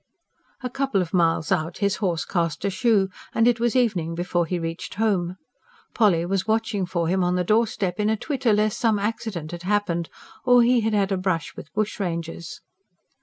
A couple of miles out his horse cast a shoe, and it was evening before he reached home. Polly was watching for him on the doorstep, in a twitter lest some accident had happened or he had had a brush with bushrangers.